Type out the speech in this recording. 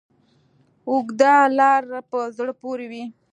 اوږده لاره په زړه پورې وه.